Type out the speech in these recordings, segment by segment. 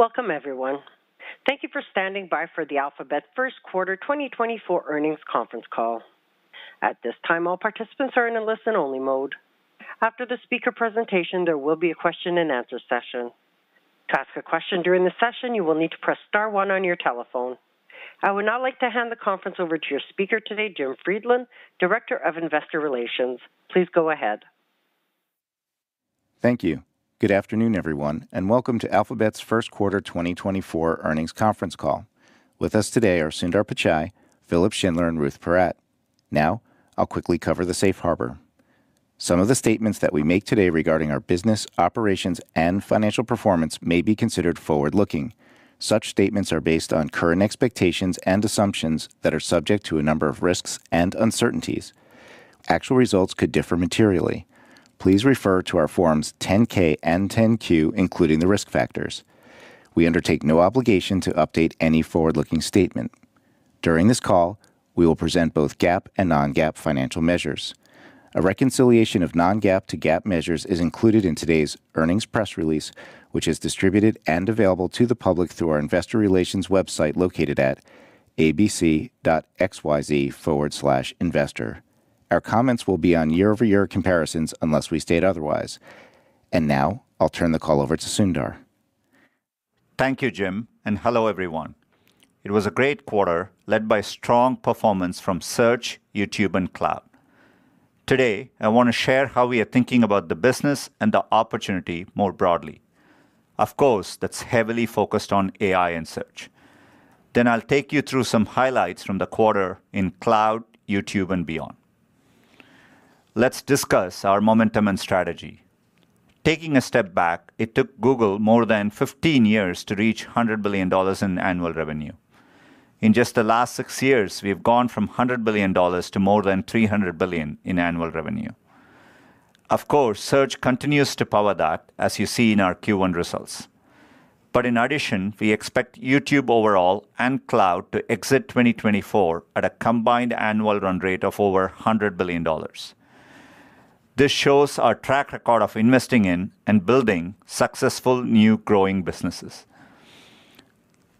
Welcome, everyone. Thank you for standing by for the Alphabet First Quarter 2024 earnings conference call. At this time, all participants are in a listen-only mode. After the speaker presentation, there will be a question-and-answer session. To ask a question during the session, you will need to press star one on your telephone. I would now like to hand the conference over to your speaker today, Jim Friedland, Director of Investor Relations. Please go ahead. Thank you. Good afternoon, everyone, and welcome to Alphabet's First Quarter 2024 earnings conference call. With us today are Sundar Pichai, Philipp Schindler, and Ruth Porat. Now, I'll quickly cover the safe harbor. Some of the statements that we make today regarding our business, operations, and financial performance may be considered forward-looking. Such statements are based on current expectations and assumptions that are subject to a number of risks and uncertainties. Actual results could differ materially. Please refer to our forms 10-K and 10-Q, including the risk factors. We undertake no obligation to update any forward-looking statement. During this call, we will present both GAAP and non-GAAP financial measures. A reconciliation of non-GAAP to GAAP measures is included in today's earnings press release, which is distributed and available to the public through our investor relations website located at abc.xyz/investor. Our comments will be on year-over-year comparisons unless we state otherwise. And now, I'll turn the call over to Sundar. Thank you, Jim, and hello, everyone. It was a great quarter led by strong performance from Search, YouTube, and Cloud. Today, I want to share how we are thinking about the business and the opportunity more broadly. Of course, that's heavily focused on AI and Search. Then I'll take you through some highlights from the quarter in Cloud, YouTube, and beyond. Let's discuss our momentum and strategy. Taking a step back, it took Google more than 15 years to reach $100 billion in annual revenue. In just the last six years, we have gone from $100 billion to more than $300 billion in annual revenue. Of course, Search continues to power that, as you see in our Q1 results. But in addition, we expect YouTube overall and Cloud to exit 2024 at a combined annual run rate of over $100 billion. This shows our track record of investing in and building successful, new, growing businesses.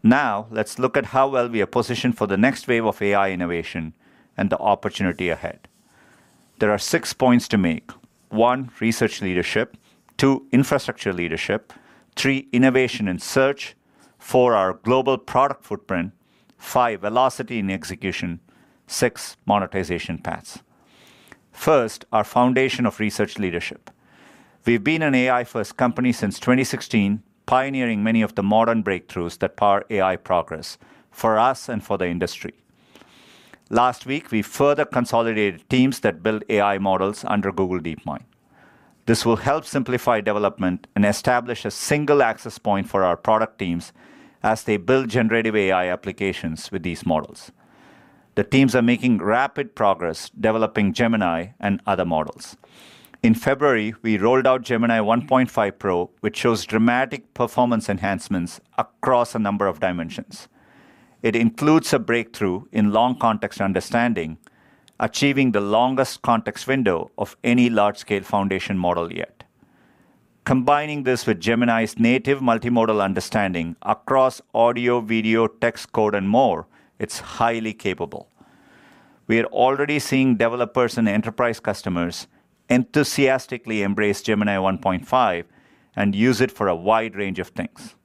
Now, let's look at how well we are positioned for the next wave of AI innovation and the opportunity ahead. There are six points to make. One, research leadership. Two, infrastructure leadership. Three, innovation in search. Four, our global product footprint. Five, velocity in execution. Six, monetization paths. First, our foundation of research leadership. We've been an AI-first company since 2016, pioneering many of the modern breakthroughs that power AI progress for us and for the industry. Last week, we further consolidated teams that build AI models under Google DeepMind. This will help simplify development and establish a single access point for our product teams as they build generative AI applications with these models. The teams are making rapid progress developing Gemini and other models. In February, we rolled out Gemini 1.5 Pro, which shows dramatic performance enhancements across a number of dimensions. It includes a breakthrough in long context understanding, achieving the longest context window of any large-scale foundation model yet. Combining this with Gemini's native multimodal understanding across audio, video, text, code, and more, it's highly capable. We are already seeing developers and enterprise customers enthusiastically embrace Gemini 1.5 and use it for a wide range of things.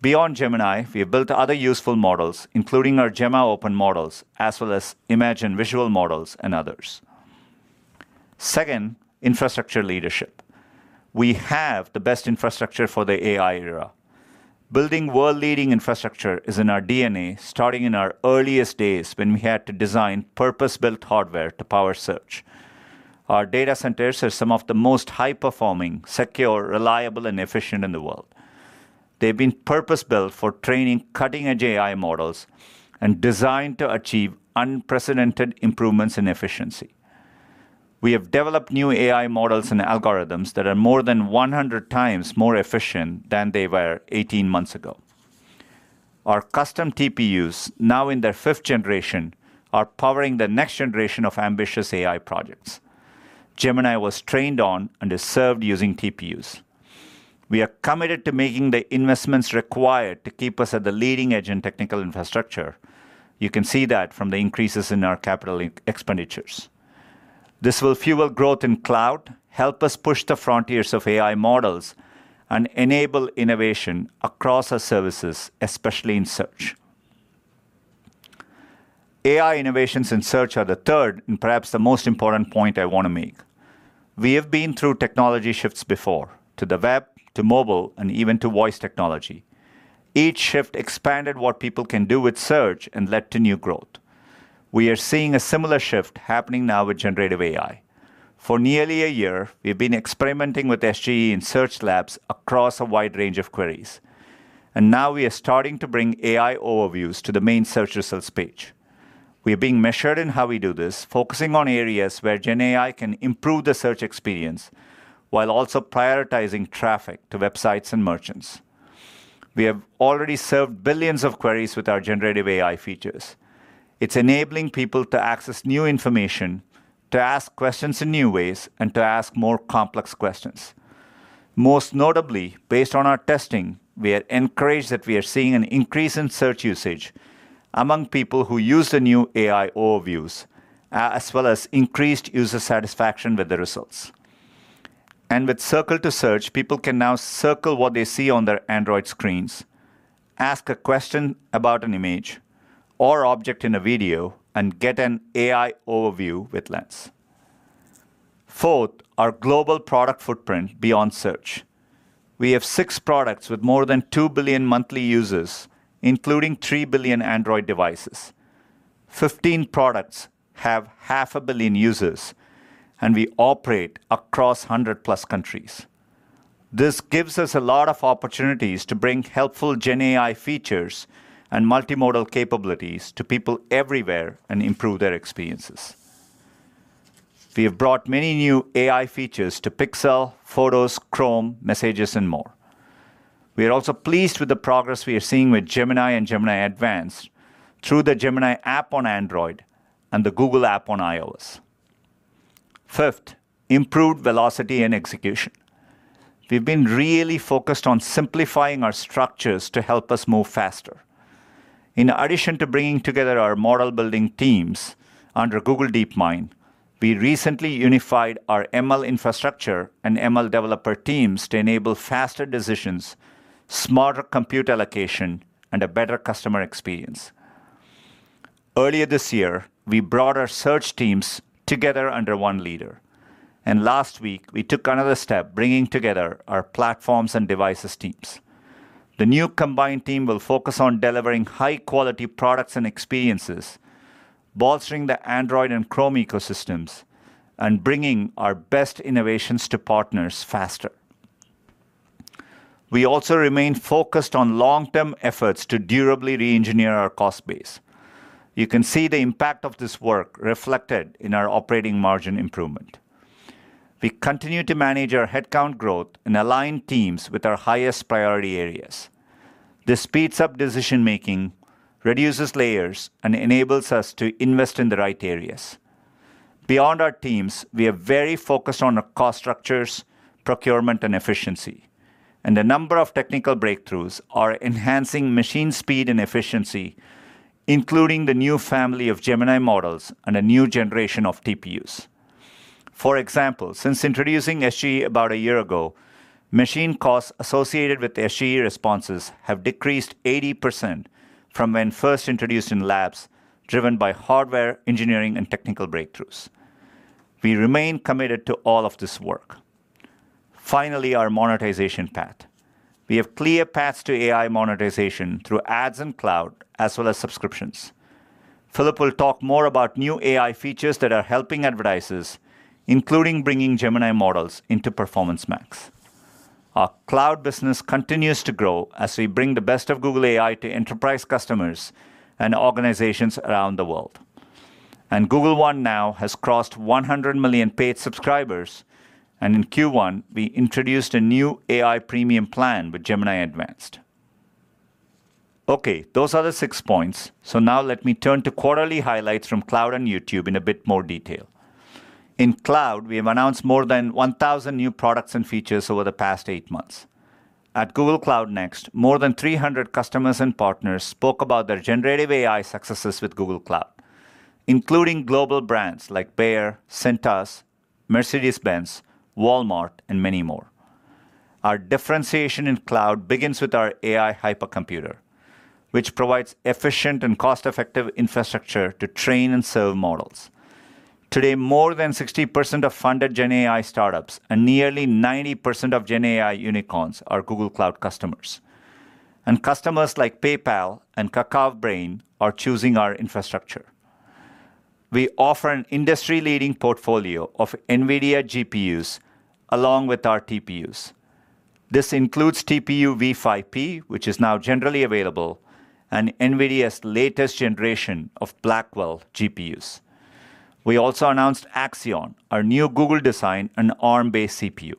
Beyond Gemini, we have built other useful models, including our Gemma open models, as well as image and visual models, and others. Second, infrastructure leadership. We have the best infrastructure for the AI era. Building world-leading infrastructure is in our DNA, starting in our earliest days when we had to design purpose-built hardware to power search. Our data centers are some of the most high-performing, secure, reliable, and efficient in the world. They've been purpose-built for training cutting-edge AI models and designed to achieve unprecedented improvements in efficiency. We have developed new AI models and algorithms that are more than 100 times more efficient than they were 18 months ago. Our custom TPUs, now in their fifth generation, are powering the next generation of ambitious AI projects. Gemini was trained on and is served using TPUs. We are committed to making the investments required to keep us at the leading edge in technical infrastructure. You can see that from the increases in our capital expenditures. This will fuel growth in Cloud, help us push the frontiers of AI models, and enable innovation across our services, especially in Search. AI innovations in Search are the third and perhaps the most important point I want to make. We have been through technology shifts before: to the web, to mobile, and even to voice technology. Each shift expanded what people can do with Search and led to new growth. We are seeing a similar shift happening now with generative AI. For nearly a year, we've been experimenting with SGE and Search Labs across a wide range of queries. And now, we are starting to bring AI overviews to the main Search results page. We are being measured in how we do this, focusing on areas where GenAI can improve the search experience while also prioritizing traffic to websites and merchants. We have already served billions of queries with our generative AI features. It's enabling people to access new information, to ask questions in new ways, and to ask more complex questions. Most notably, based on our testing, we are encouraged that we are seeing an increase in search usage among people who use the new AI Overviews, as well as increased user satisfaction with the results. And with Circle to Search, people can now circle what they see on their Android screens, ask a question about an image or object in a video, and get an AI overview with Lens. Fourth, our global product footprint beyond Search. We have six products with more than 2 billion monthly users, including 3 billion Android devices. 15 products have 500 million users, and we operate across 100+ countries. This gives us a lot of opportunities to bring helpful GenAI features and multimodal capabilities to people everywhere and improve their experiences. We have brought many new AI features to Pixel, Photos, Chrome, Messages, and more. We are also pleased with the progress we are seeing with Gemini and Gemini Advanced through the Gemini app on Android and the Google app on iOS. Fifth, improved velocity and execution. We have been really focused on simplifying our structures to help us move faster. In addition to bringing together our model-building teams under Google DeepMind, we recently unified our ML infrastructure and ML developer teams to enable faster decisions, smarter compute allocation, and a better customer experience. Earlier this year, we brought our Search teams together under one leader, and last week, we took another step, bringing together our platforms and devices teams. The new combined team will focus on delivering high-quality products and experiences, bolstering the Android and Chrome ecosystems, and bringing our best innovations to partners faster. We also remain focused on long-term efforts to durably re-engineer our cost base. You can see the impact of this work reflected in our operating margin improvement. We continue to manage our headcount growth and align teams with our highest priority areas. This speeds up decision-making, reduces layers, and enables us to invest in the right areas. Beyond our teams, we are very focused on our cost structures, procurement, and efficiency. And a number of technical breakthroughs are enhancing machine speed and efficiency, including the new family of Gemini models and a new generation of TPUs. For example, since introducing SGE about a year ago, machine costs associated with SGE responses have decreased 80% from when first introduced in labs, driven by hardware, engineering, and technical breakthroughs. We remain committed to all of this work. Finally, our monetization path. We have clear paths to AI monetization through ads and Cloud, as well as subscriptions. Philipp will talk more about new AI features that are helping advertisers, including bringing Gemini models into Performance Max. Our Cloud business continues to grow as we bring the best of Google AI to enterprise customers and organizations around the world. Google One now has crossed 100 million paid subscribers. In Q1, we introduced a new AI premium plan with Gemini Advanced. OK, those are the six points. Now, let me turn to quarterly highlights from Cloud and YouTube in a bit more detail. In Cloud, we have announced more than 1,000 new products and features over the past eight months. At Google Cloud Next, more than 300 customers and partners spoke about their generative AI successes with Google Cloud, including global brands like Bayer, Cintas, Mercedes-Benz, Walmart, and many more. Our differentiation in Cloud begins with our AI hypercomputer, which provides efficient and cost-effective infrastructure to train and serve models. Today, more than 60% of funded GenAI startups and nearly 90% of GenAI unicorns are Google Cloud customers. And customers like PayPal and Kakao Brain are choosing our infrastructure. We offer an industry-leading portfolio of NVIDIA GPUs along with our TPUs. This includes TPU v5p, which is now generally available, and NVIDIA's latest generation of Blackwell GPUs. We also announced Axion, our new Google-designed and ARM-based CPU.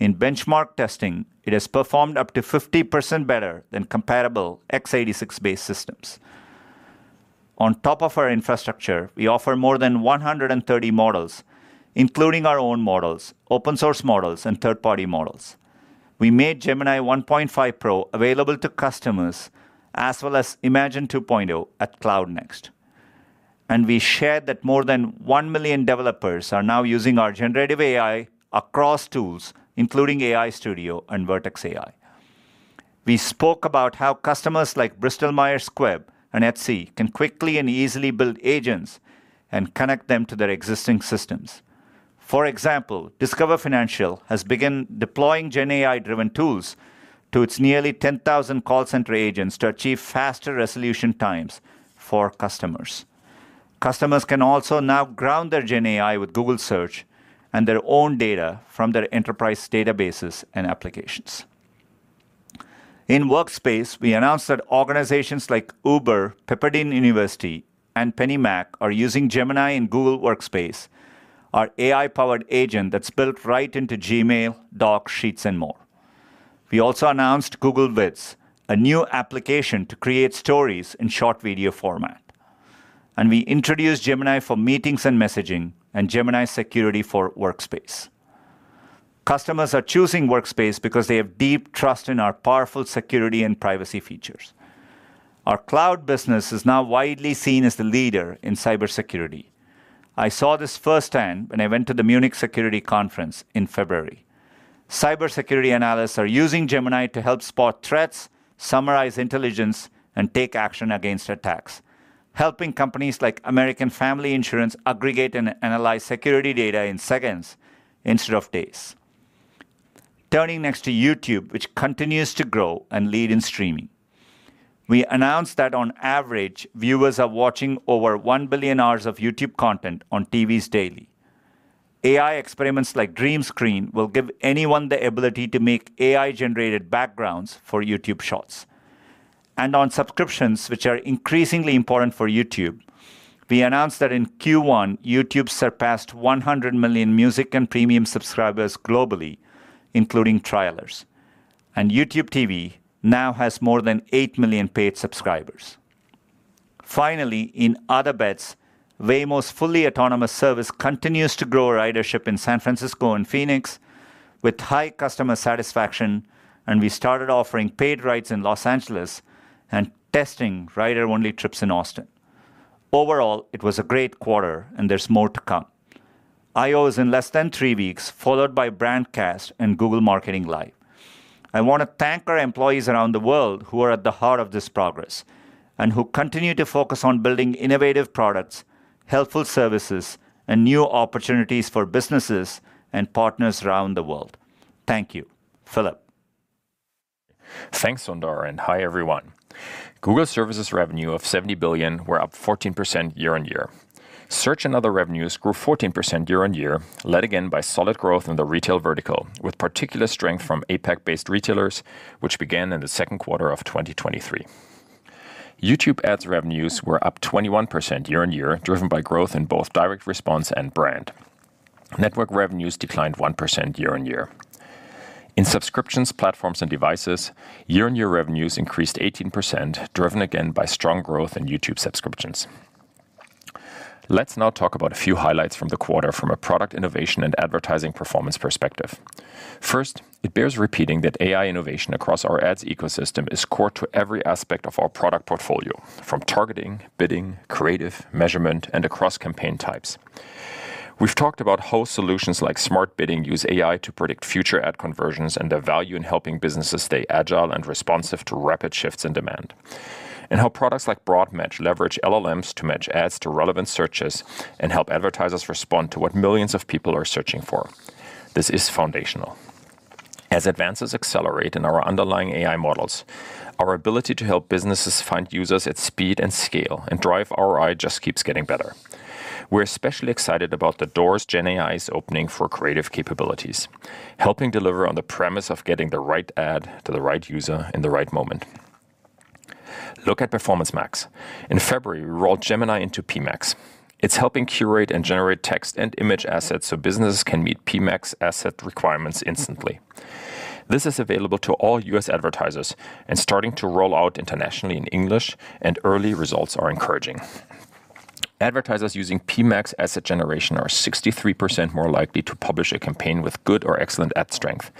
In benchmark testing, it has performed up to 50% better than comparable x86-based systems. On top of our infrastructure, we offer more than 130 models, including our own models, open-source models, and third-party models. We made Gemini 1.5 Pro available to customers, as well as Imagen 2.0 at Cloud Next. And we shared that more than 1 million developers are now using our generative AI across tools, including AI Studio and Vertex AI. We spoke about how customers like Bristol Myers Squibb and Etsy can quickly and easily build agents and connect them to their existing systems. For example, Discover Financial has begun deploying GenAI-driven tools to its nearly 10,000 call center agents to achieve faster resolution times for customers. Customers can also now ground their GenAI with Google Search and their own data from their enterprise databases and applications. In Workspace, we announced that organizations like Uber, Pepperdine University, and PennyMac are using Gemini in Google Workspace, our AI-powered agent that's built right into Gmail, Docs, Sheets, and more. We also announced Google Vids, a new application to create stories in short video format. And we introduced Gemini for meetings and messaging and Gemini Security for Workspace. Customers are choosing Workspace because they have deep trust in our powerful security and privacy features. Our Cloud business is now widely seen as the leader in cybersecurity. I saw this firsthand when I went to the Munich Security Conference in February. Cybersecurity analysts are using Gemini to help spot threats, summarize intelligence, and take action against attacks, helping companies like American Family Insurance aggregate and analyze security data in seconds instead of days. Turning next to YouTube, which continues to grow and lead in streaming. We announced that on average, viewers are watching over 1 billion hours of YouTube content on TVs daily. AI experiments like Dream Screen will give anyone the ability to make AI-generated backgrounds for YouTube Shorts, and on subscriptions, which are increasingly important for YouTube, we announced that in Q1, YouTube surpassed 100 million music and premium subscribers globally, including trailers. YouTube TV now has more than 8 million paid subscribers. Finally, in other bets, Waymo's fully autonomous service continues to grow ridership in San Francisco and Phoenix with high customer satisfaction. We started offering paid rides in Los Angeles and testing rider-only trips in Austin. Overall, it was a great quarter, and there's more to come. I/O is in less than three weeks, followed by Brandcast and Google Marketing Live. I want to thank our employees around the world who are at the heart of this progress and who continue to focus on building innovative products, helpful services, and new opportunities for businesses and partners around the world. Thank you, Philipp. Thanks, Sundar. Hi, everyone. Google Services revenue of $70 billion were up 14% year on year. Search and other revenues grew 14% year on year, led again by solid growth in the retail vertical, with particular strength from APAC-based retailers, which began in the second quarter of 2023. YouTube Ads revenues were up 21% year on year, driven by growth in both direct response and brand. Network revenues declined 1% year on year. In subscriptions, platforms, and devices, year-on-year revenues increased 18%, driven again by strong growth in YouTube subscriptions. Let's now talk about a few highlights from the quarter from a product innovation and advertising performance perspective. First, it bears repeating that AI innovation across our ads ecosystem is core to every aspect of our product portfolio, from targeting, bidding, creative, measurement, and across campaign types. We've talked about how solutions like Smart Bidding use AI to predict future ad conversions and the value in helping businesses stay agile and responsive to rapid shifts in demand, and how products like Broad Match leverage LLMs to match ads to relevant searches and help advertisers respond to what millions of people are searching for. This is foundational. As advances accelerate in our underlying AI models, our ability to help businesses find users at speed and scale and drive ROI just keeps getting better. We're especially excited about the doors GenAI is opening for creative capabilities, helping deliver on the premise of getting the right ad to the right user in the right moment. Look at Performance Max. In February, we rolled Gemini into PMax. It's helping curate and generate text and image assets so businesses can meet PMax asset requirements instantly. This is available to all U.S. advertisers and starting to roll out internationally in English, and early results are encouraging. Advertisers using PMax asset generation are 63% more likely to publish a campaign with good or excellent ad strength.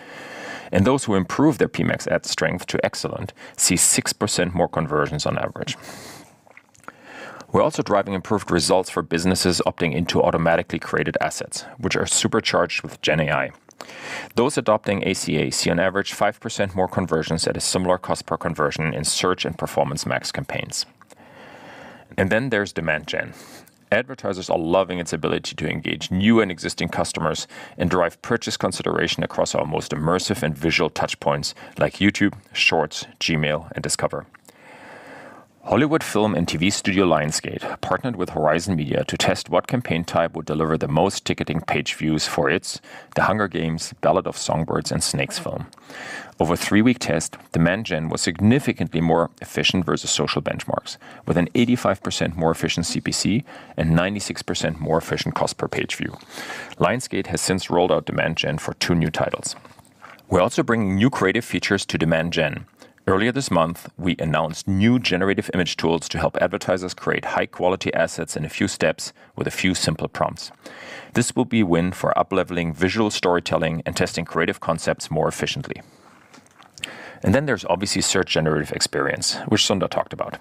And those who improve their PMax ad strength to excellent see 6% more conversions on average. We're also driving improved results for businesses opting into automatically created assets, which are supercharged with GenAI. Those adopting ACA see on average 5% more conversions at a similar cost per conversion in Search and Performance Max campaigns. And then there's Demand Gen. Advertisers are loving its ability to engage new and existing customers and drive purchase consideration across our most immersive and visual touch points like YouTube, Shorts, Gmail, and Discover. Hollywood film and TV studio Lionsgate partnered with Horizon Media to test what campaign type would deliver the most ticketing page views for its The Hunger Games: Ballad of Songbirds and Snakes film. Over a three-week test, Demand Gen was significantly more efficient versus social benchmarks, with an 85% more efficient CPC and 96% more efficient cost per page view. Lionsgate has since rolled out Demand Gen for two new titles. We're also bringing new creative features to Demand Gen. Earlier this month, we announced new generative image tools to help advertisers create high-quality assets in a few steps with a few simple prompts. This will be a win for up-leveling visual storytelling and testing creative concepts more efficiently. And then there's obviously Search Generative Experience, which Sundar talked about.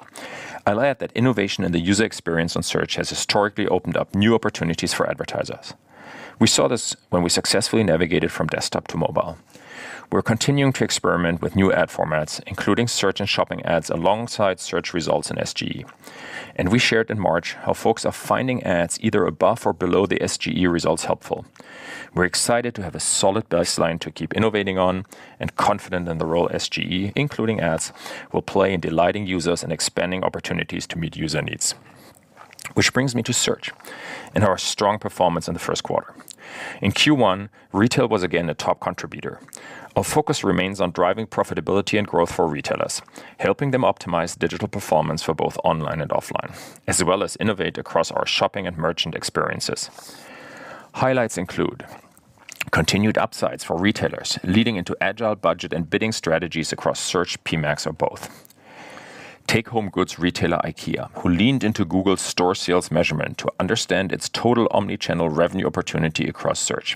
I'll add that innovation in the user experience on Search has historically opened up new opportunities for advertisers. We saw this when we successfully navigated from desktop to mobile. We're continuing to experiment with new ad formats, including Search and Shopping ads alongside search results in SGE. And we shared in March how folks are finding ads either above or below the SGE results helpful. We're excited to have a solid baseline to keep innovating on and confident in the role SGE, including ads, will play in delighting users and expanding opportunities to meet user needs, which brings me to Search and our strong performance in the first quarter. In Q1, retail was again a top contributor. Our focus remains on driving profitability and growth for retailers, helping them optimize digital performance for both online and offline, as well as innovate across our Shopping and merchant experiences. Highlights include continued upsides for retailers, leading into agile budget and bidding strategies across Search, PMax, or both. Take-home goods retailer IKEA, who leaned into Google's store sales measurement to understand its total omnichannel revenue opportunity across Search.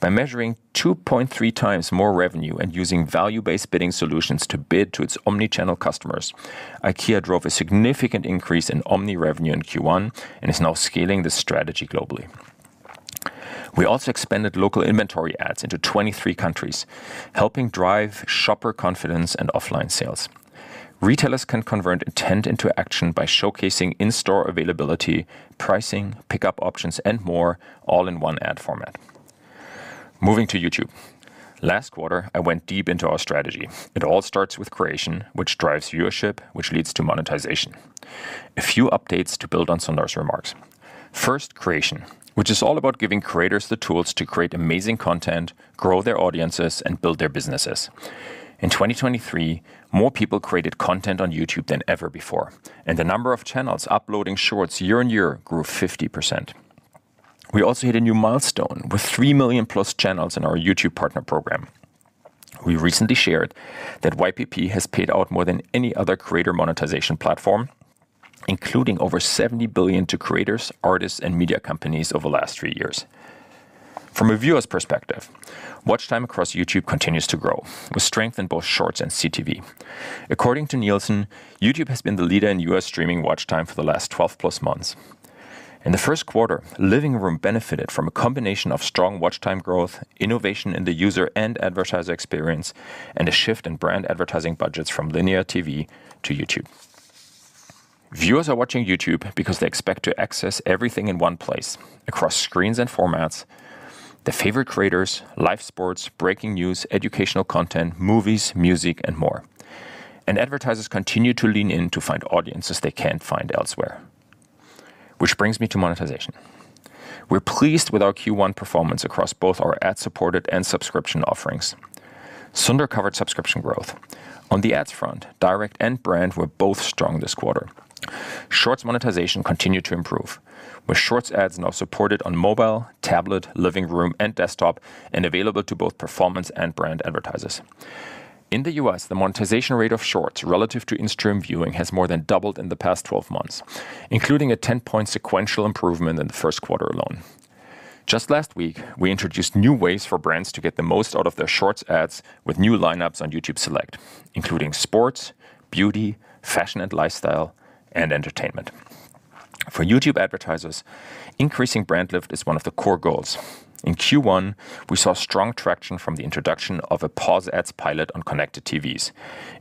By measuring 2.3 times more revenue and using value-based bidding solutions to bid to its omnichannel customers, IKEA drove a significant increase in omni revenue in Q1 and is now scaling this strategy globally. We also expanded local inventory ads into 23 countries, helping drive shopper confidence and offline sales. Retailers can convert intent into action by showcasing in-store availability, pricing, pickup options, and more, all in one ad format. Moving to YouTube. Last quarter, I went deep into our strategy. It all starts with creation, which drives viewership, which leads to monetization. A few updates to build on Sundar's remarks. First, creation, which is all about giving creators the tools to create amazing content, grow their audiences, and build their businesses. In 2023, more people created content on YouTube than ever before, and the number of channels uploading Shorts year on year grew 50%. We also hit a new milestone with three million plus channels in our YouTube Partner Program. We recently shared that YPP has paid out more than any other creator monetization platform, including over $70 billion to creators, artists, and media companies over the last three years. From a viewer's perspective, watch time across YouTube continues to grow, with strength in both Shorts and CTV. According to Nielsen, YouTube has been the leader in U.S. streaming watch time for the last 12+ months. In the first quarter, Living Room benefited from a combination of strong watch time growth, innovation in the user and advertiser experience, and a shift in brand advertising budgets from linear TV to YouTube. Viewers are watching YouTube because they expect to access everything in one place across screens and formats: their favorite creators, live sports, breaking news, educational content, movies, music, and more. And advertisers continue to lean in to find audiences they can't find elsewhere, which brings me to monetization. We're pleased with our Q1 performance across both our ad-supported and subscription offerings. Sundar covered subscription growth. On the ads front, direct and brand were both strong this quarter. Shorts monetization continued to improve, with Shorts ads now supported on mobile, tablet, living room, and desktop, and available to both performance and brand advertisers. In the U.S., the monetization rate of Shorts relative to in-stream viewing has more than doubled in the past 12 months, including a 10-point sequential improvement in the first quarter alone. Just last week, we introduced new ways for brands to get the most out of their Shorts ads with new lineups on YouTube Select, including sports, beauty, fashion and lifestyle, and entertainment. For YouTube advertisers, increasing brand lift is one of the core goals. In Q1, we saw strong traction from the introduction of a pause ads pilot on connected TVs,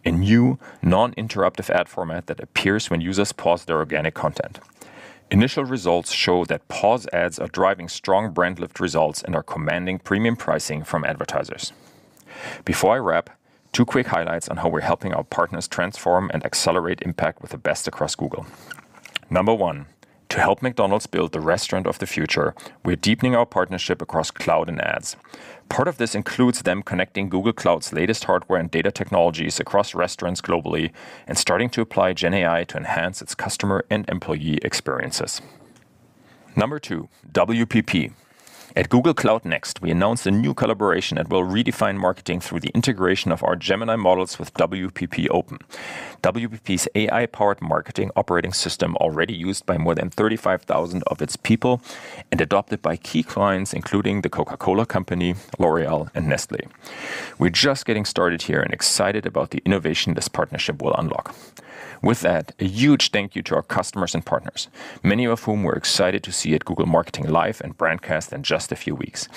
a new non-interruptive ad format that appears when users pause their organic content. Initial results show that pause ads are driving strong brand lift results and are commanding premium pricing from advertisers. Before I wrap, two quick highlights on how we're helping our partners transform and accelerate impact with the best across Google. Number one, to help McDonald's build the restaurant of the future, we're deepening our partnership across cloud and ads. Part of this includes them connecting Google Cloud's latest hardware and data technologies across restaurants globally and starting to apply GenAI to enhance its customer and employee experiences. Number two, WPP. At Google Cloud Next, we announced a new collaboration that will redefine marketing through the integration of our Gemini models with WPP Open, WPP's AI-powered marketing operating system already used by more than 35,000 of its people and adopted by key clients, including the Coca-Cola Company, L'Oréal, and Nestlé. We're just getting started here and excited about the innovation this partnership will unlock. With that, a huge thank you to our customers and partners, many of whom we're excited to see at Google Marketing Live and Brandcast in just a few weeks.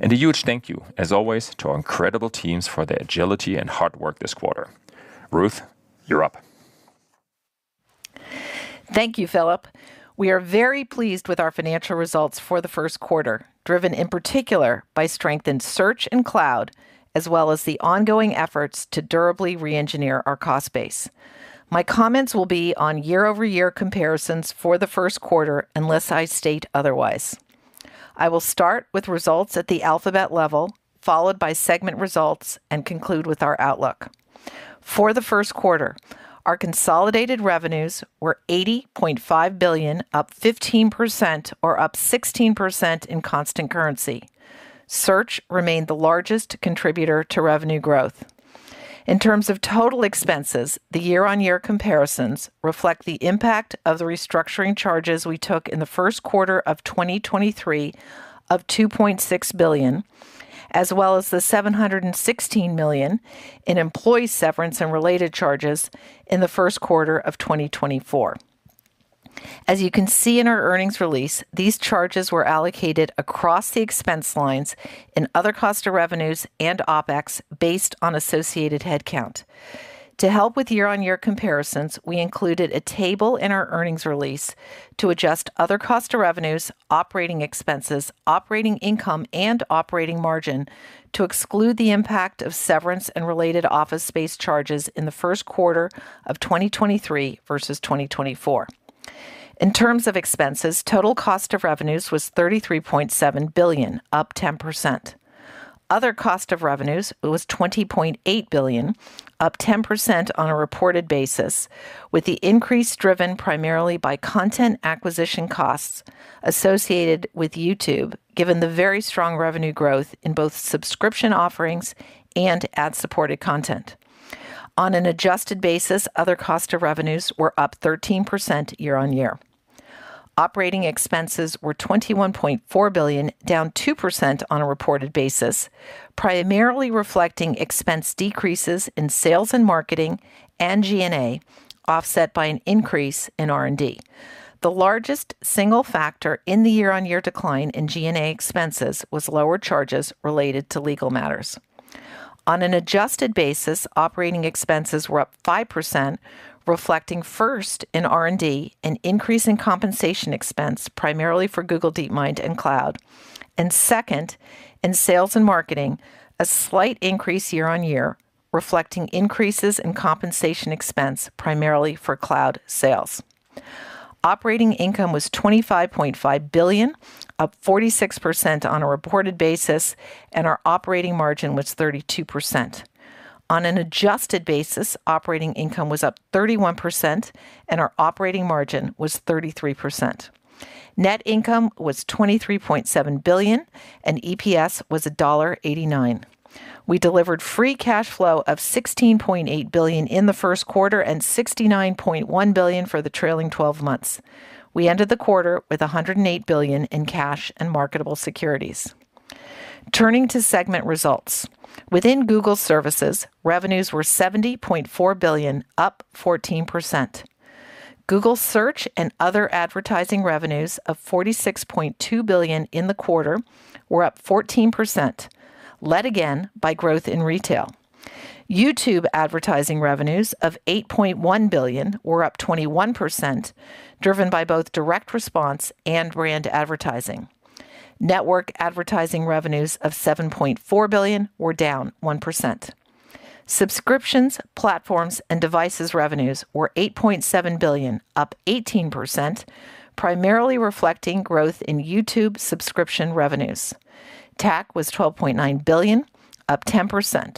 And a huge thank you, as always, to our incredible teams for their agility and hard work this quarter. Ruth, you're up. Thank you, Philipp. We are very pleased with our financial results for the first quarter, driven in particular by strength in Search and Cloud, as well as the ongoing efforts to durably re-engineer our cost base. My comments will be on year-over-year comparisons for the first quarter, unless I state otherwise. I will start with results at the Alphabet level, followed by segment results, and conclude with our outlook. For the first quarter, our consolidated revenues were $80.5 billion, up 15%, or up 16% in constant currency. Search remained the largest contributor to revenue growth. In terms of total expenses, the year-on-year comparisons reflect the impact of the restructuring charges we took in the first quarter of 2023 of $2.6 billion, as well as the $716 million in employee severance and related charges in the first quarter of 2024. As you can see in our earnings release, these charges were allocated across the expense lines in other cost of revenues and OPEX based on associated headcount. To help with year-on-year comparisons, we included a table in our earnings release to adjust other cost of revenues, operating expenses, operating income, and operating margin to exclude the impact of severance and related office space charges in the first quarter of 2023 versus 2024. In terms of expenses, total cost of revenues was $33.7 billion, up 10%. Other cost of revenues was $20.8 billion, up 10% on a reported basis, with the increase driven primarily by content acquisition costs associated with YouTube, given the very strong revenue growth in both subscription offerings and ad-supported content. On an adjusted basis, other cost of revenues were up 13% year-on-year. Operating expenses were $21.4 billion, down 2% on a reported basis, primarily reflecting expense decreases in sales and marketing and G&A, offset by an increase in R&D. The largest single factor in the year-on-year decline in G&A expenses was lower charges related to legal matters. On an adjusted basis, operating expenses were up 5%, reflecting first in R&D, an increase in compensation expense primarily for Google DeepMind and Cloud, and second in sales and marketing, a slight increase year-on-year, reflecting increases in compensation expense primarily for Cloud sales. Operating income was $25.5 billion, up 46% on a reported basis, and our operating margin was 32%. On an adjusted basis, operating income was up 31%, and our operating margin was 33%. Net income was $23.7 billion, and EPS was $1.89. We delivered free cash flow of $16.8 billion in the first quarter and $69.1 billion for the trailing 12 months. We ended the quarter with $108 billion in cash and marketable securities. Turning to segment results, within Google Services, revenues were $70.4 billion, up 14%. Google Search and other advertising revenues of $46.2 billion in the quarter were up 14%, led again by growth in retail. YouTube advertising revenues of $8.1 billion were up 21%, driven by both direct response and brand advertising. Network advertising revenues of $7.4 billion were down 1%. Subscriptions, platforms, and devices revenues were $8.7 billion, up 18%, primarily reflecting growth in YouTube subscription revenues. TAC was $12.9 billion, up 10%.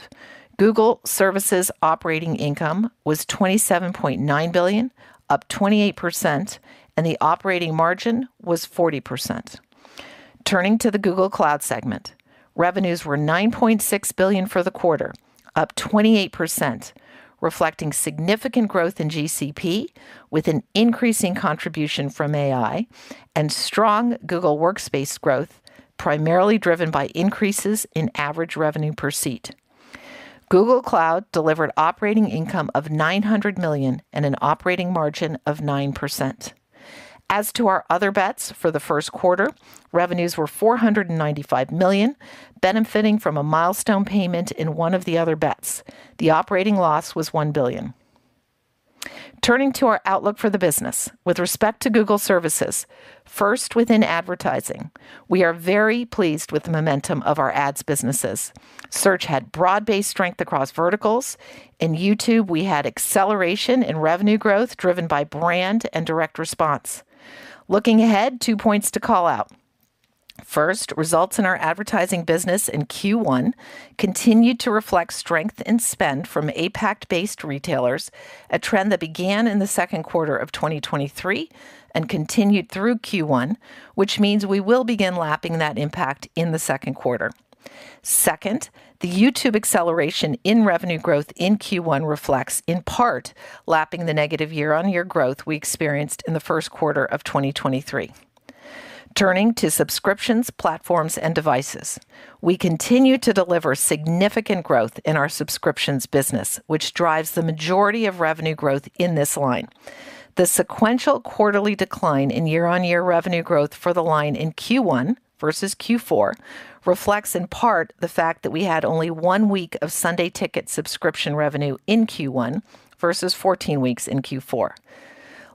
Google Services operating income was $27.9 billion, up 28%, and the operating margin was 40%. Turning to the Google Cloud segment, revenues were $9.6 billion for the quarter, up 28%, reflecting significant growth in GCP with an increasing contribution from AI and strong Google Workspace growth, primarily driven by increases in average revenue per seat. Google Cloud delivered operating income of $900 million and an operating margin of 9%. As to our other bets for the first quarter, revenues were $495 million, benefiting from a milestone payment in one of the other bets. The operating loss was $1 billion. Turning to our outlook for the business, with respect to Google services, first within advertising, we are very pleased with the momentum of our ads businesses. Search had broad-based strength across verticals. In YouTube, we had acceleration in revenue growth driven by brand and direct response. Looking ahead, two points to call out. First, results in our advertising business in Q1 continued to reflect strength in spend from APAC-based retailers, a trend that began in the second quarter of 2023 and continued through Q1, which means we will begin lapping that impact in the second quarter. Second, the YouTube acceleration in revenue growth in Q1 reflects, in part, lapping the negative year-on-year growth we experienced in the first quarter of 2023. Turning to subscriptions, platforms, and devices, we continue to deliver significant growth in our subscriptions business, which drives the majority of revenue growth in this line. The sequential quarterly decline in year-on-year revenue growth for the line in Q1 versus Q4 reflects, in part, the fact that we had only one week of Sunday Ticket subscription revenue in Q1 versus 14 weeks in Q4.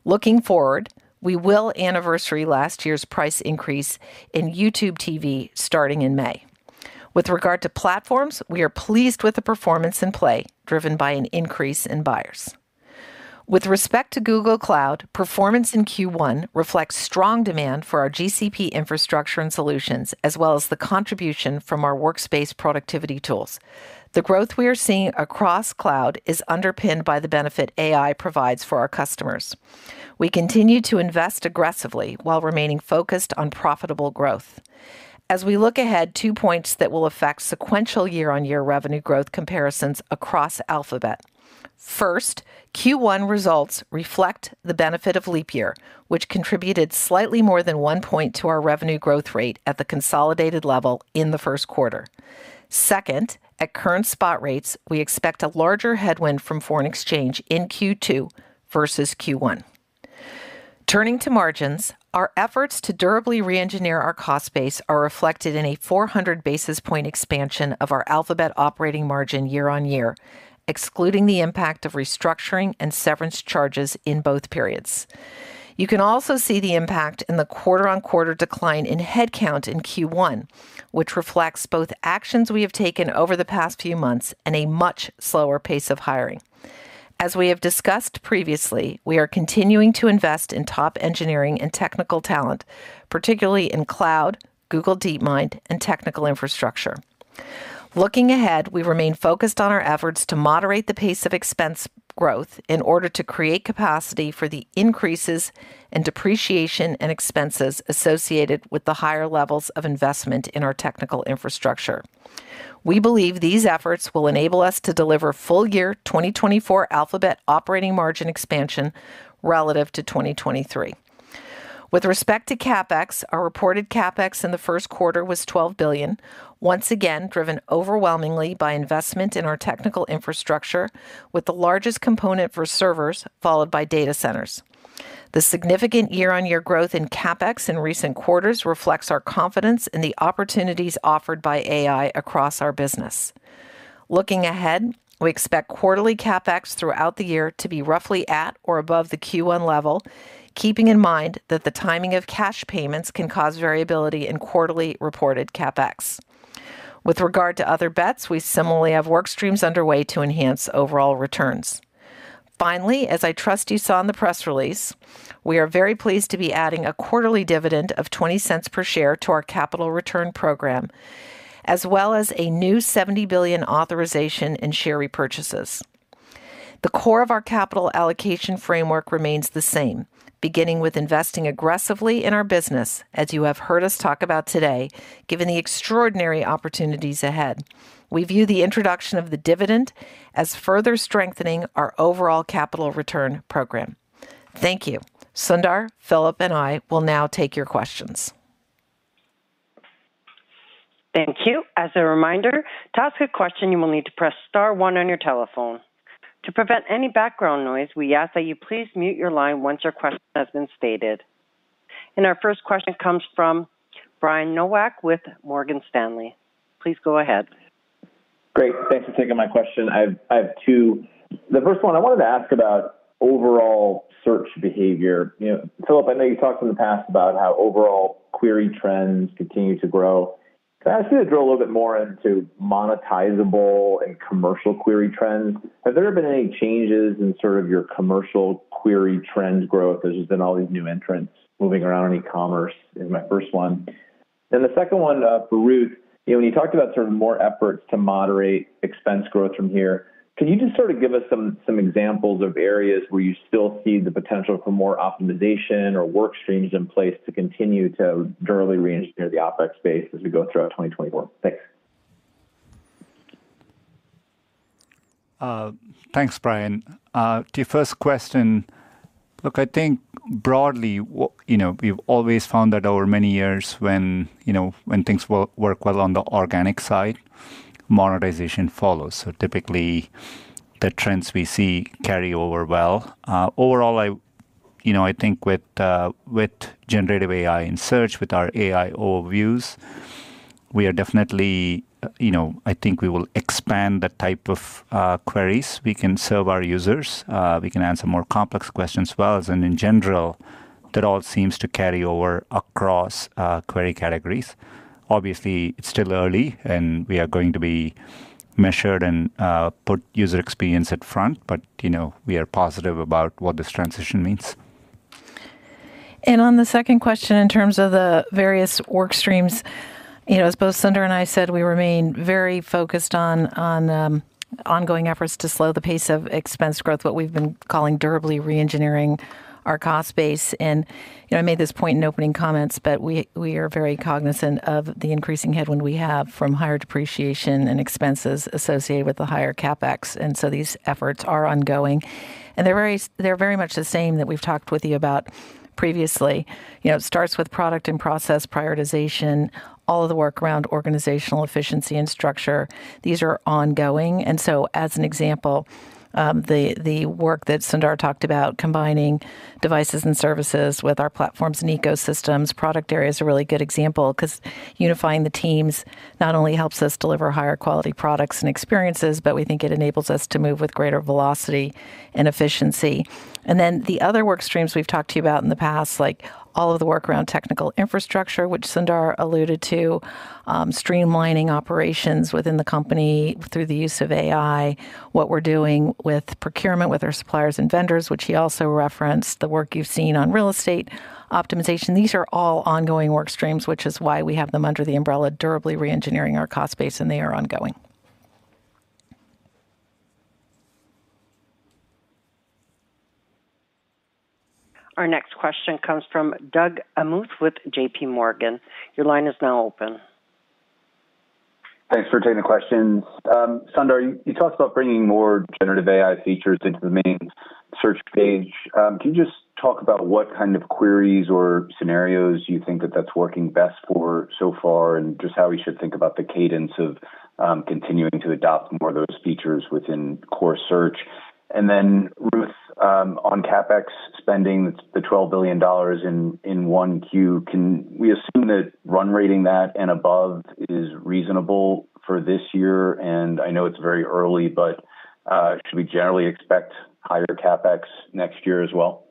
Looking forward, we will anniversary last year's price increase in YouTube TV starting in May. With regard to platforms, we are pleased with the performance in Play driven by an increase in buyers. With respect to Google Cloud, performance in Q1 reflects strong demand for our GCP infrastructure and solutions, as well as the contribution from our Workspace productivity tools. The growth we are seeing across Cloud is underpinned by the benefit AI provides for our customers. We continue to invest aggressively while remaining focused on profitable growth. As we look ahead, two points that will affect sequential year-on-year revenue growth comparisons across Alphabet: First, Q1 results reflect the benefit of leap year, which contributed slightly more than one point to our revenue growth rate at the consolidated level in the first quarter. Second, at current spot rates, we expect a larger headwind from foreign exchange in Q2 versus Q1. Turning to margins, our efforts to durably re-engineer our cost base are reflected in a 400 basis point expansion of our Alphabet operating margin year-on-year, excluding the impact of restructuring and severance charges in both periods. You can also see the impact in the quarter-on-quarter decline in headcount in Q1, which reflects both actions we have taken over the past few months and a much slower pace of hiring. As we have discussed previously, we are continuing to invest in top engineering and technical talent, particularly in Cloud, Google DeepMind, and technical infrastructure. Looking ahead, we remain focused on our efforts to moderate the pace of expense growth in order to create capacity for the increases in depreciation and expenses associated with the higher levels of investment in our technical infrastructure. We believe these efforts will enable us to deliver full-year 2024 Alphabet operating margin expansion relative to 2023. With respect to CapEx, our reported CapEx in the first quarter was $12 billion, once again driven overwhelmingly by investment in our technical infrastructure, with the largest component for servers, followed by data centers. The significant year-on-year growth in CapEx in recent quarters reflects our confidence in the opportunities offered by AI across our business. Looking ahead, we expect quarterly CapEx throughout the year to be roughly at or above the Q1 level, keeping in mind that the timing of cash payments can cause variability in quarterly reported CapEx. With regard to other bets, we similarly have work streams underway to enhance overall returns. Finally, as I trust you saw in the press release, we are very pleased to be adding a quarterly dividend of $0.20 per share to our capital return program, as well as a new $70 billion authorization in share repurchases. The core of our capital allocation framework remains the same, beginning with investing aggressively in our business, as you have heard us talk about today, given the extraordinary opportunities ahead. We view the introduction of the dividend as further strengthening our overall capital return program. Thank you. Sundar, Philip, and I will now take your questions. Thank you. As a reminder, to ask a question, you will need to press star one on your telephone. To prevent any background noise, we ask that you please mute your line once your question has been stated. And our first question comes from Brian Nowak with Morgan Stanley. Please go ahead. Great. Thanks for taking my question. I have two. The first one, I wanted to ask about overall search behavior. Philip, I know you talked in the past about how overall query trends continue to grow. Can I ask you to drill a little bit more into monetizable and commercial query trends? Have there been any changes in sort of your commercial query trend growth as there's been all these new entrants moving around in e-commerce? Is my first one. And the second one for Ruth, when you talked about sort of more efforts to moderate expense growth from here, can you just sort of give us some examples of areas where you still see the potential for more optimization or work streams in place to continue to durably re-engineer the space as we go throughout 2024? Thanks. Thanks, Brian. To your first question, look, I think broadly, we've always found that over many years when things work well on the organic side, monetization follows. So typically, the trends we see carry over well. Overall, I think with generative AI in search, with our AI Overviews, we are definitely, I think we will expand the type of queries we can serve our users. We can answer more complex questions well. And in general, that all seems to carry over across query categories. Obviously, it's still early, and we are going to be measured and put user experience at front, but we are positive about what this transition means. And on the second question, in terms of the various work streams, as both Sundar and I said, we remain very focused on ongoing efforts to slow the pace of expense growth, what we've been calling durably re-engineering our cost base. And I made this point in opening comments, but we are very cognizant of the increasing headwind we have from higher depreciation and expenses associated with the higher CapEx. And so these efforts are ongoing. They're very much the same that we've talked with you about previously. It starts with product and process prioritization, all of the work around organizational efficiency and structure. These are ongoing. So as an example, the work that Sundar talked about, combining devices and services with our platforms and ecosystems, product areas are a really good example because unifying the teams not only helps us deliver higher quality products and experiences, but we think it enables us to move with greater velocity and efficiency. Then the other work streams we've talked to you about in the past, like all of the work around technical infrastructure, which Sundar alluded to, streamlining operations within the company through the use of AI, what we're doing with procurement with our suppliers and vendors, which he also referenced, the work you've seen on real estate optimization. These are all ongoing work streams, which is why we have them under the umbrella durably re-engineering our cost base, and they are ongoing. Our next question comes from Doug Anmuth with JPMorgan. Your line is now open. Thanks for taking the questions. Sundar, you talked about bringing more generative AI features into the main search page. Can you just talk about what kind of queries or scenarios you think that that's working best for so far and just how we should think about the cadence of continuing to adopt more of those features within core search? And then Ruth, on CapEx spending, the $12 billion in Q1, can we assume that run rate in that and above is reasonable for this year? And I know it's very early, but should we generally expect higher CapEx next year as well?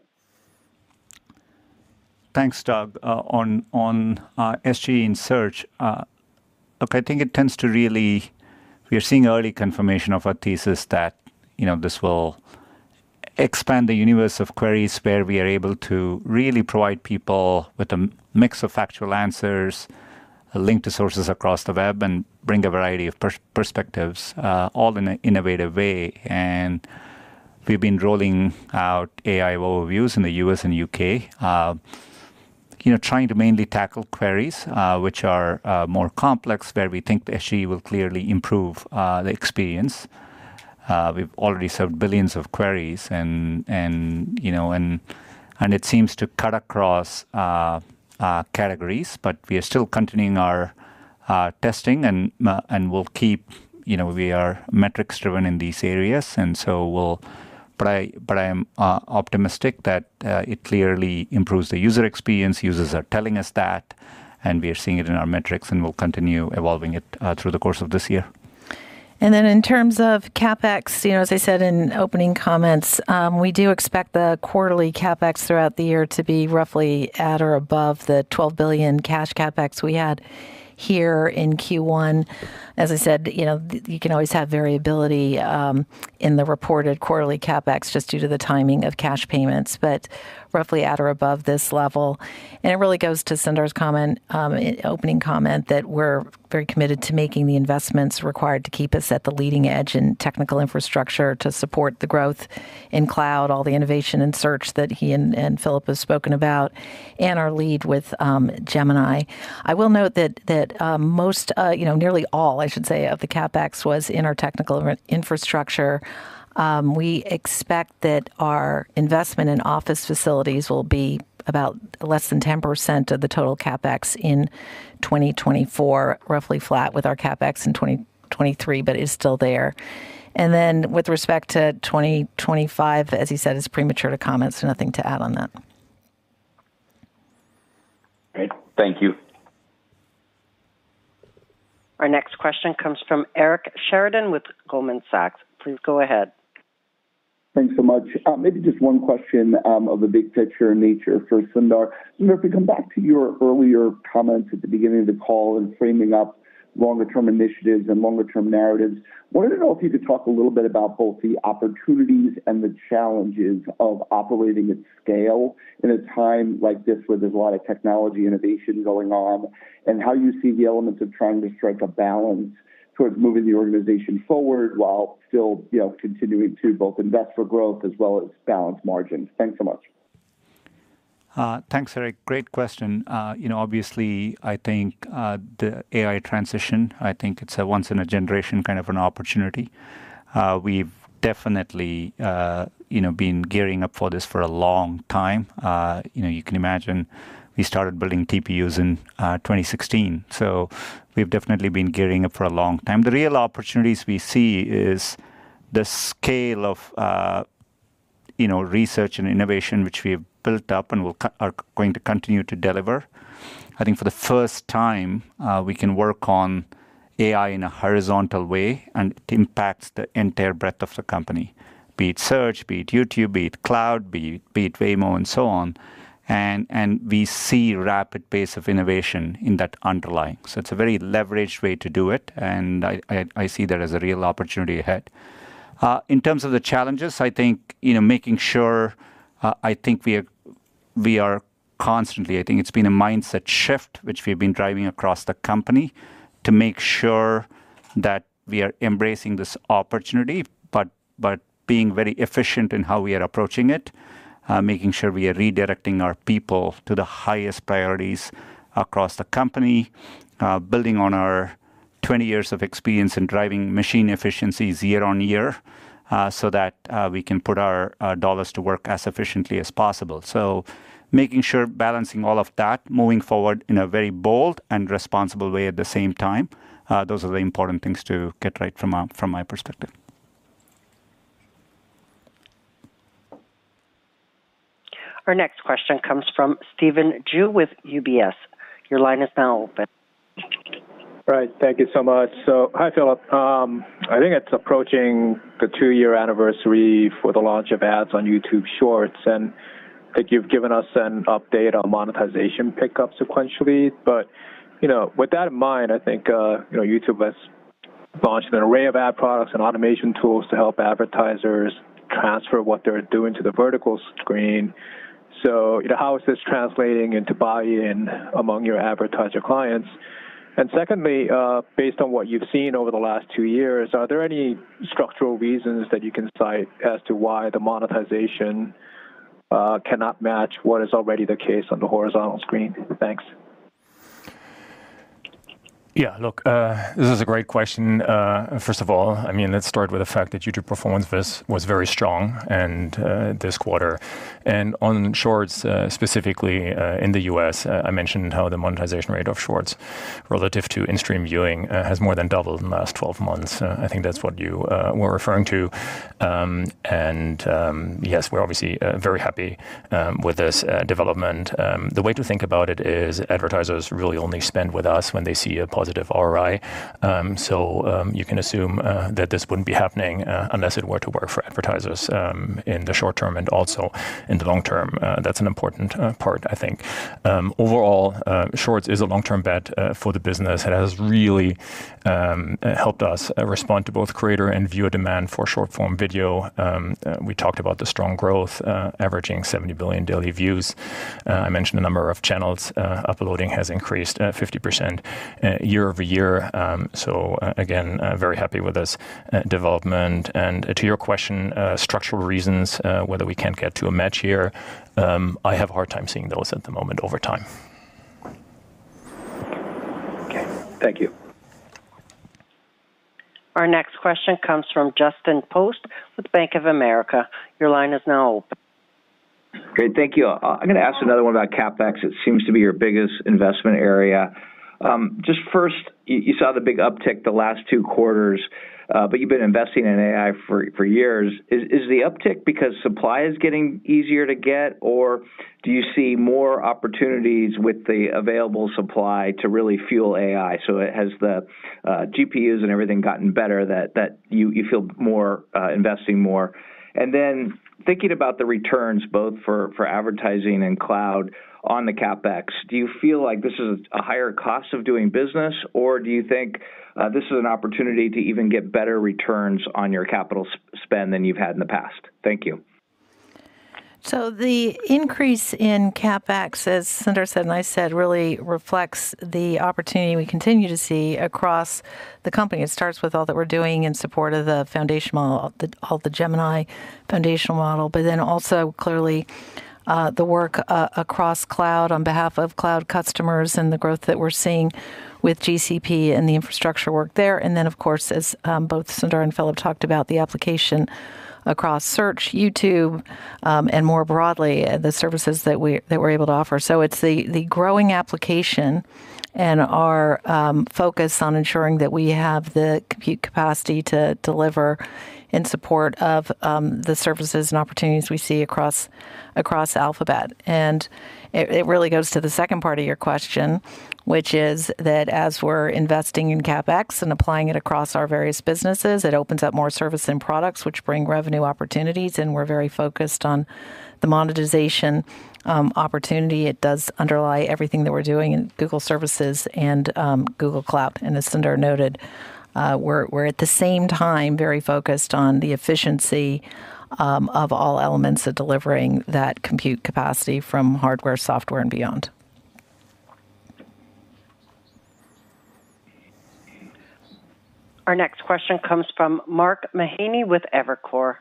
Thanks, Doug. On SGE and search, look, I think it tends to really, we are seeing early confirmation of our thesis that this will expand the universe of queries where we are able to really provide people with a mix of factual answers, link to sources across the web, and bring a variety of perspectives all in an innovative way. And we've been rolling out AI overviews in the U.S. and U.K., trying to mainly tackle queries which are more complex, where we think the SGE will clearly improve the experience. We've already served billions of queries, and it seems to cut across categories, but we are still continuing our testing and will keep, we are metrics-driven in these areas. And so I am optimistic that it clearly improves the user experience. Users are telling us that, and we are seeing it in our metrics, and we'll continue evolving it through the course of this year. Then in terms of CapEx, as I said in opening comments, we do expect the quarterly CapEx throughout the year to be roughly at or above the $12 billion cash CapEx we had here in Q1. As I said, you can always have variability in the reported quarterly CapEx just due to the timing of cash payments, but roughly at or above this level. It really goes to Sundar's comment, opening comment, that we're very committed to making the investments required to keep us at the leading edge in technical infrastructure to support the growth in Cloud, all the innovation in search that he and Philip have spoken about, and our lead with Gemini. I will note that most, nearly all, I should say, of the CapEx was in our technical infrastructure. We expect that our investment in office facilities will be about less than 10% of the total CapEx in 2024, roughly flat with our CapEx in 2023, but it's still there, and then with respect to 2025, as he said, it's premature to comment, so nothing to add on that. Great. Thank you. Our next question comes from Eric Sheridan with Goldman Sachs. Please go ahead. Thanks so much. Maybe just one question of the big picture nature for Sundar. Sundar, if we come back to your earlier comments at the beginning of the call and framing up longer-term initiatives and longer-term narratives, wanted to know if you could talk a little bit about both the opportunities and the challenges of operating at scale in a time like this where there's a lot of technology innovation going on, and how you see the elements of trying to strike a balance towards moving the organization forward while still continuing to both invest for growth as well as balance margins. Thanks so much. Thanks, Eric. Great question. Obviously, I think the AI transition, I think it's a once-in-a-generation kind of an opportunity. We've definitely been gearing up for this for a long time. You can imagine we started building TPUs in 2016. So we've definitely been gearing up for a long time. The real opportunities we see is the scale of research and innovation which we have built up and are going to continue to deliver. I think for the first time, we can work on AI in a horizontal way, and it impacts the entire breadth of the company, be it search, be it YouTube, be it Cloud, be it Waymo, and so on. And we see a rapid pace of innovation in that underlying. So it's a very leveraged way to do it, and I see that as a real opportunity ahead. In terms of the challenges, I think making sure we are constantly, it's been a mindset shift which we've been driving across the company to make sure that we are embracing this opportunity, but being very efficient in how we are approaching it, making sure we are redirecting our people to the highest priorities across the company, building on our 20 years of experience in driving machine efficiencies year on year so that we can put our dollars to work as efficiently as possible. So making sure balancing all of that, moving forward in a very bold and responsible way at the same time, those are the important things to get right from my perspective. Our next question comes from Stephen Jue with UBS. Your line is now open. All right. Thank you so much. So hi, Philip. I think it's approaching the two-year anniversary for the launch of ads on YouTube Shorts, and I think you've given us an update on monetization pickup sequentially. But with that in mind, I think YouTube has launched an array of ad products and automation tools to help advertisers transfer what they're doing to the vertical screen. So how is this translating into buy-in among your advertiser clients? And secondly, based on what you've seen over the last two years, are there any structural reasons that you can cite as to why the monetization cannot match what is already the case on the horizontal screen? Thanks. Yeah. Look, this is a great question. First of all, I mean, it started with the fact that YouTube performance was very strong this quarter. On Shorts, specifically in the U.S., I mentioned how the monetization rate of Shorts relative to in-stream viewing has more than doubled in the last 12 months. I think that's what you were referring to. Yes, we're obviously very happy with this development. The way to think about it is advertisers really only spend with us when they see a positive ROI. So you can assume that this wouldn't be happening unless it were to work for advertisers in the short term and also in the long term. That's an important part, I think. Overall, Shorts is a long-term bet for the business. It has really helped us respond to both creator and viewer demand for short-form video. We talked about the strong growth, averaging 70 billion daily views. I mentioned a number of channels uploading has increased 50% year over year. So, again, very happy with this development. And to your question, structural reasons, whether we can't get to a match here, I have a hard time seeing those at the moment over time. Okay. Thank you. Our next question comes from Justin Post with Bank of America. Your line is now open. Great. Thank you. I'm going to ask another one about CapEx. It seems to be your biggest investment area. Just first, you saw the big uptick the last two quarters, but you've been investing in AI for years. Is the uptick because supply is getting easier to get, or do you see more opportunities with the available supply to really fuel AI? So has the GPUs and everything gotten better that you feel more investing more? Then thinking about the returns both for advertising and Cloud on the CAPEX, do you feel like this is a higher cost of doing business, or do you think this is an opportunity to even get better returns on your capital spend than you've had in the past? Thank you. The increase in CapEx, as Sundar said and I said, really reflects the opportunity we continue to see across the company. It starts with all that we're doing in support of the foundational model, all the Gemini foundational model, but then also clearly the work across Cloud on behalf of Cloud customers and the growth that we're seeing with GCP and the infrastructure work there. Then, of course, as both Sundar and Philip talked about, the application across search, YouTube, and more broadly, the services that we're able to offer. It's the growing application and our focus on ensuring that we have the compute capacity to deliver in support of the services and opportunities we see across Alphabet. It really goes to the second part of your question, which is that as we're investing in CapEx and applying it across our various businesses, it opens up more service and products which bring revenue opportunities, and we're very focused on the monetization opportunity. It does underlie everything that we're doing in Google Services and Google Cloud. As Sundar noted, we're at the same time very focused on the efficiency of all elements of delivering that compute capacity from hardware, software, and beyond. Our next question comes from Mark Mahaney with Evercore.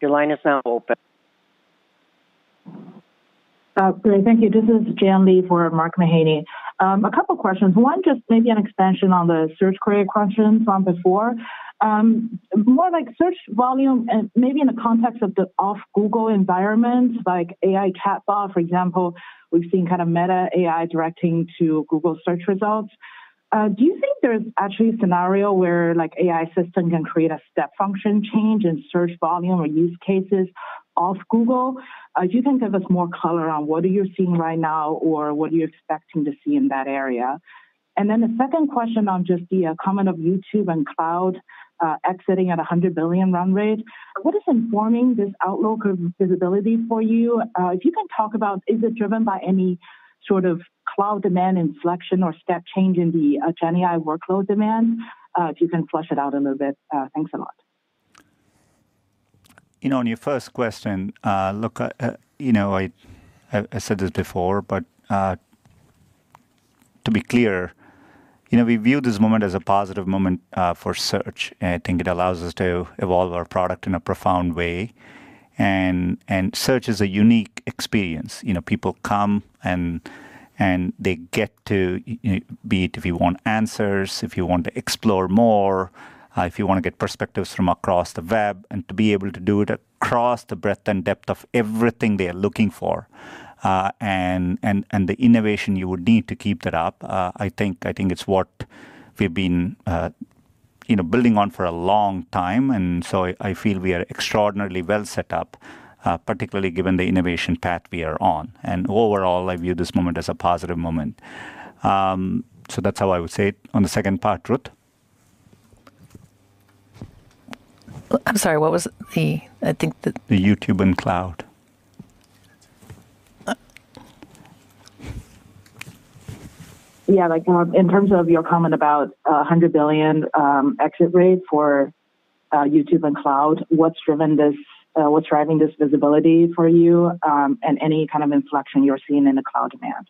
Your line is now open. Thank you. This is Jian Li for Mark Mahaney. A couple of questions. One, just maybe an extension on the search query questions from before. More like search volume and maybe in the context of the off-Google environment, like AI chatbot, for example, we've seen kind of Meta AI directing to Google search results. Do you think there's actually a scenario where an AI system can create a step function change in search volume or use cases off Google? If you can give us more color on what you're seeing right now or what you're expecting to see in that area. And then the second question on just the comment of YouTube and Cloud exiting at a $100 billion run rate, what is informing this outlook of visibility for you? If you can talk about, is it driven by any sort of Cloud demand inflection or step change in the GenAI workload demand? If you can flesh it out a little bit, thanks a lot. On your first question, look, I said this before, but to be clear, we view this moment as a positive moment for search. I think it allows us to evolve our product in a profound way, and search is a unique experience. People come and they get to be if you want answers, if you want to explore more, if you want to get perspectives from across the web, and to be able to do it across the breadth and depth of everything they are looking for and the innovation you would need to keep that up. I think it's what we've been building on for a long time, and so I feel we are extraordinarily well set up, particularly given the innovation path we are on, and overall, I view this moment as a positive moment. So that's how I would say it. On the second part, Ruth? I'm sorry. The YouTube and Cloud. Yeah, in terms of your comment about $100 billion exit rate for YouTube and Cloud, what's driving this visibility for you and any kind of inflection you're seeing in the Cloud demand?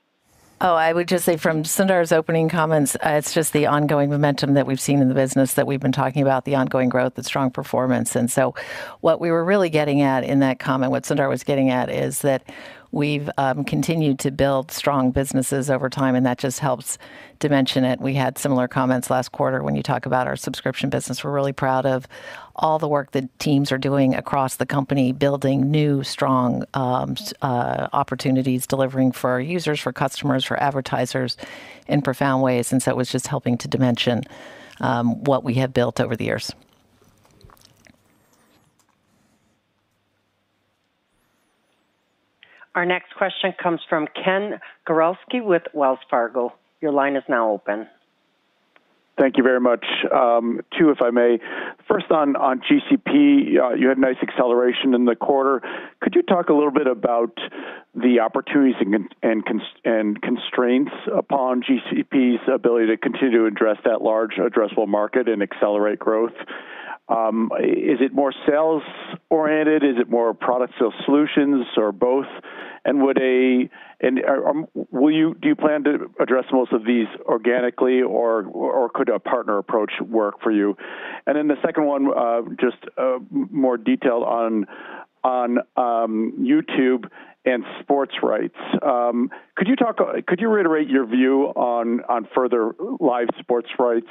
Oh, I would just say from Sundar's opening comments, it's just the ongoing momentum that we've seen in the business that we've been talking about, the ongoing growth, the strong performance. And so what we were really getting at in that comment, what Sundar was getting at, is that we've continued to build strong businesses over time, and that just helps dimension it. We had similar comments last quarter when you talk about our subscription business. We're really proud of all the work that teams are doing across the company, building new strong opportunities, delivering for our users, for customers, for advertisers in profound ways. And so it was just helping to dimension what we have built over the years. Our next question comes from Ken Gawrelski with Wells Fargo. Your line is now open. Thank you very much. Two, if I may. First, on GCP, you had a nice acceleration in the quarter. Could you talk a little bit about the opportunities and constraints upon GCP's ability to continue to address that large addressable market and accelerate growth? Is it more sales-oriented? Is it more products or solutions or both? And do you plan to address most of these organically, or could a partner approach work for you? And then the second one, just more detailed on YouTube and sports rights. Could you reiterate your view on further live sports rights?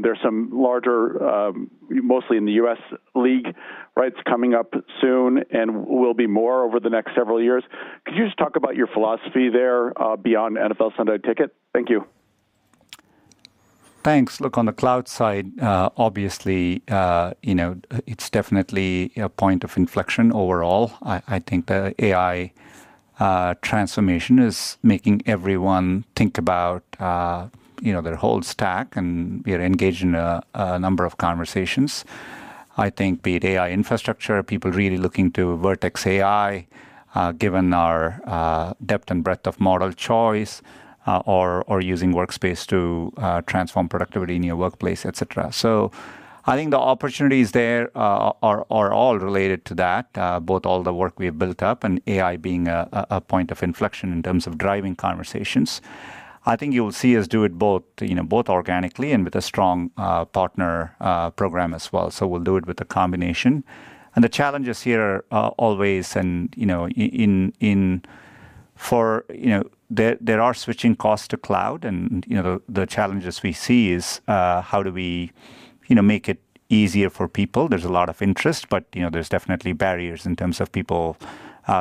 There's some larger, mostly in the U.S. league rights coming up soon and will be more over the next several years. Could you just talk about your philosophy there beyond NFL Sunday Ticket? Thank you. Thanks. Look, on the Cloud side, obviously, it's definitely a point of inflection overall. I think the AI transformation is making everyone think about their whole stack, and we are engaged in a number of conversations. I think be it AI infrastructure, people really looking to Vertex AI, given our depth and breadth of model choice, or using Workspace to transform productivity in your workplace, et cetera. So I think the opportunities there are all related to that, both all the work we have built up and AI being a point of inflection in terms of driving conversations. I think you will see us do it both organically and with a strong partner program as well. So we'll do it with a combination. And the challenges here are always in for there are switching costs to Cloud, and the challenges we see is how do we make it easier for people? There's a lot of interest, but there's definitely barriers in terms of people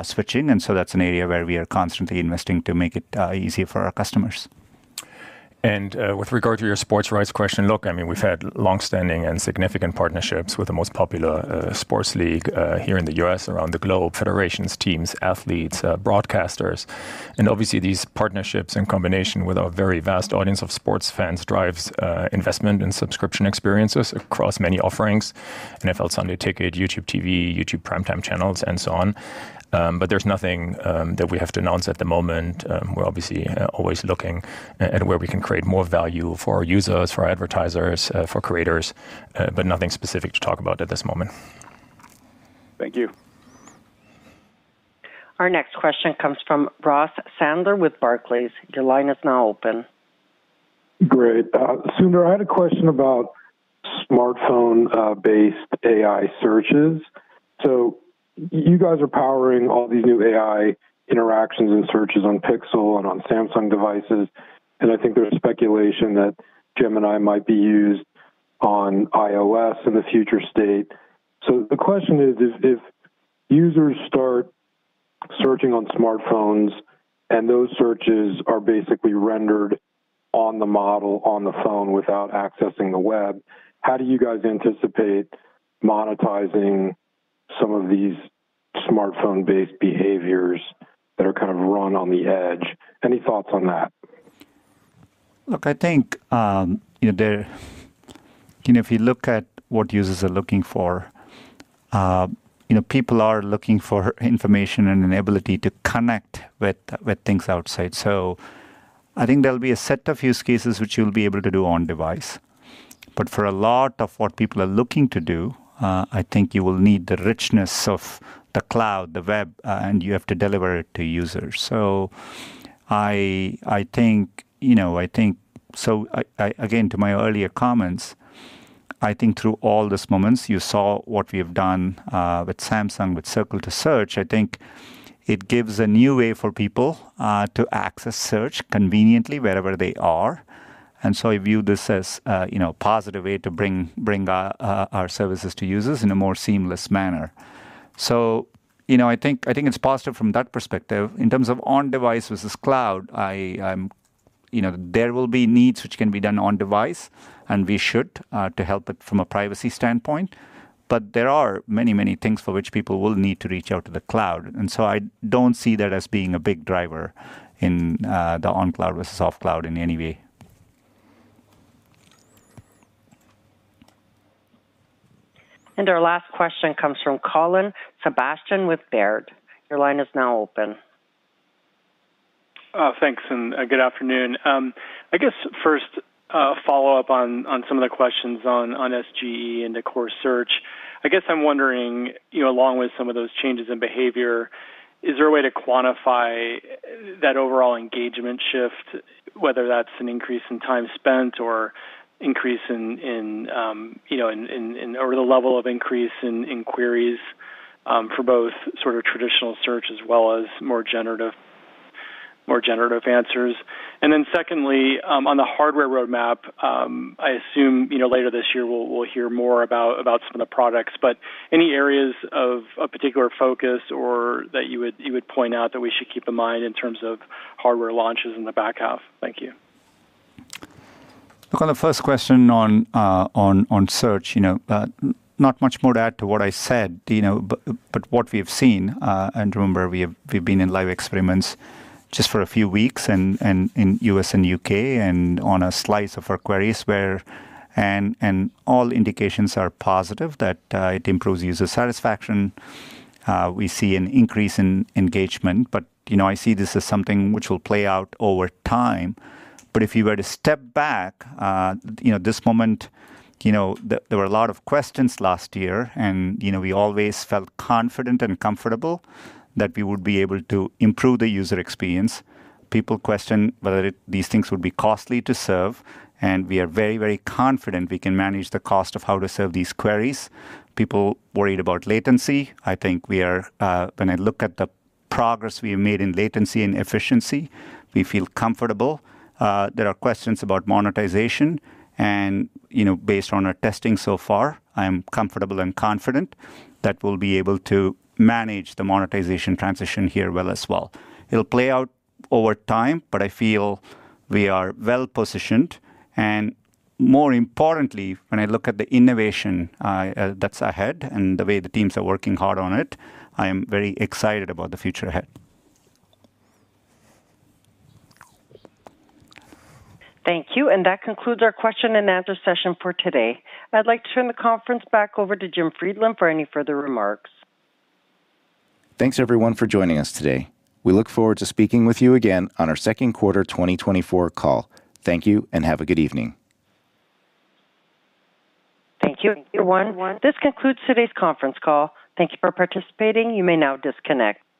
switching. And so that's an area where we are constantly investing to make it easier for our customers. And with regard to your sports rights question, look, I mean, we've had long-standing and significant partnerships with the most popular sports league here in the U.S., around the globe, federations, teams, athletes, broadcasters. And obviously, these partnerships in combination with our very vast audience of sports fans drives investment and subscription experiences across many offerings: NFL Sunday Ticket, YouTube TV, YouTube Primetime Channels, and so on. But there's nothing that we have to announce at the moment. We're obviously always looking at where we can create more value for our users, for advertisers, for creators, but nothing specific to talk about at this moment. Thank you. Our next question comes from Ross Sandler with Barclays. Your line is now open. Great. Sundar, I had a question about smartphone-based AI searches. So you guys are powering all these new AI interactions and searches on Pixel and on Samsung devices. And I think there's speculation that Gemini might be used on iOS in the future state. So the question is, if users start searching on smartphones and those searches are basically rendered on the model on the phone without accessing the web, how do you guys anticipate monetizing some of these smartphone-based behaviors that are kind of run on the edge? Any thoughts on that? Look, I think if you look at what users are looking for, people are looking for information and an ability to connect with things outside. So I think there'll be a set of use cases which you'll be able to do on-device. But for a lot of what people are looking to do, I think you will need the richness of the cloud, the web, and you have to deliver it to users. So I think, so again, to my earlier comments, I think through all these moments, you saw what we have done with Samsung, with Circle to Search. I think it gives a new way for people to access search conveniently wherever they are. And so I view this as a positive way to bring our services to users in a more seamless manner. So I think it's positive from that perspective. In terms of on-device versus cloud, there will be needs which can be done on-device, and we should to help it from a privacy standpoint. But there are many, many things for which people will need to reach out to the cloud. And so I don't see that as being a big driver in the on-cloud versus off-cloud in any way. Our last question comes from Colin Sebastian with Baird. Your line is now open. Thanks and good afternoon. I guess first, follow-up on some of the questions on SGE and the core search. I guess I'm wondering, along with some of those changes in behavior, is there a way to quantify that overall engagement shift, whether that's an increase in time spent or increase in over the level of increase in queries for both sort of traditional search as well as more generative answers? And then secondly, on the hardware roadmap, I assume later this year we'll hear more about some of the products, but any areas of a particular focus or that you would point out that we should keep in mind in terms of hardware launches in the back half? Thank you. Look, on the first question on search, not much more to add to what I said, but what we have seen. Remember, we've been in live experiments just for a few weeks in the U.S. and U.K. and on a slice of our queries where all indications are positive that it improves user satisfaction. We see an increase in engagement, but I see this as something which will play out over time. If you were to step back, this moment, there were a lot of questions last year, and we always felt confident and comfortable that we would be able to improve the user experience. People question whether these things would be costly to serve, and we are very, very confident we can manage the cost of how to serve these queries. People worried about latency. I think when I look at the progress we have made in latency and efficiency, we feel comfortable. There are questions about monetization. Based on our testing so far, I am comfortable and confident that we'll be able to manage the monetization transition here well as well. It'll play out over time, but I feel we are well positioned. More importantly, when I look at the innovation that's ahead and the way the teams are working hard on it, I am very excited about the future ahead. Thank you. That concludes our question and answer session for today. I'd like to turn the conference back over to Jim Friedland for any further remarks. Thanks, everyone, for joining us today. We look forward to speaking with you again on our second quarter 2024 call. Thank you and have a good evening. Thank you. This concludes today's conference call. Thank you for participating. You may now disconnect.